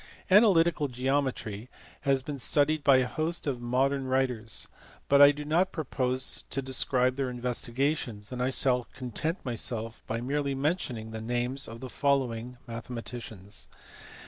Analytical Geometry has been studied by a host of modern writers, but I do not propose to describe their investigations, and I shall content myself by merely mentioning the names of the following mathematicians.